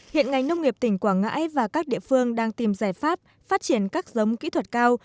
hiện ngành nông nghiệp tỉnh quảng ngãi và các địa phương đang tìm giải pháp phát triển các giống kỹ thuật cao